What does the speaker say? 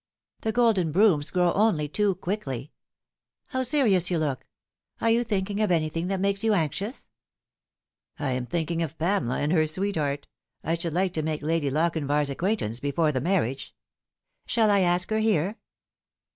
The golden brooms grow only too quickly. How serious you look ! Are you thinking of anything that makes you anxious ?"" I am thinking of Pamela and her sweetheart. I should like to make Lady Lochinvar's acquaintance before the mar riage." "Shall I ask her here?"